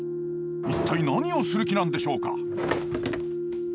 一体何をする気なんでしょうか？